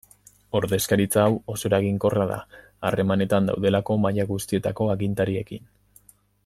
Ordezkaritza hau oso eraginkorra da harremanetan daudelako maila guztietako agintariekin.